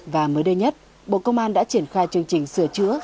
và mới đây nhất bộ công an đã triển khai chương trình sửa chữa